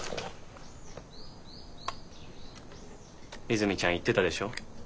泉ちゃん言ってたでしょ。